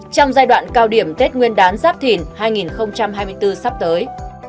trong giai đoạn cao điểm tết nguyên đán giáp thìn hai nghìn hai mươi bốn sắp tới